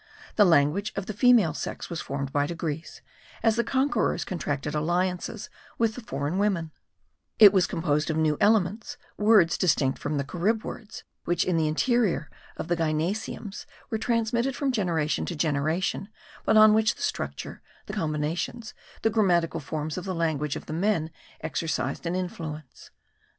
The language of the female sex was formed by degrees, as the conquerors contracted alliances with the foreign women; it was composed of new elements, words distinct from the Carib words,* which in the interior of the gynaeceums were transmitted from generation to generation, but on which the structure, the combinations, the grammatical forms of the language of the men exercised an influence.